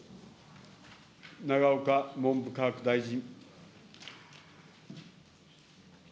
永岡文部科学大臣。